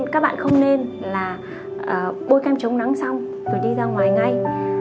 các bạn không nên là bôi kem chống nắng xong rồi đi ra ngoài ngay